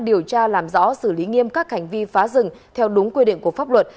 điều tra làm rõ xử lý nghiêm các hành vi phá rừng theo đúng quy định của pháp luật